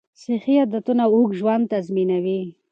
صحي عادتونه اوږد ژوند تضمینوي.